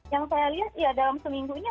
yang saya lihat ya dalam seminggunya